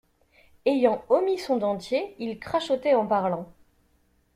Ayant omis son dentier, il crachotait en parlant.